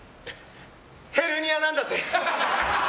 ヘルニアなんだぜ。